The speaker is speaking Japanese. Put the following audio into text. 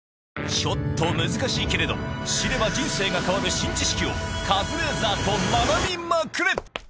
ちょっと難しいけれど知れば人生が変わる新知識をカズレーザーと学びまくれ！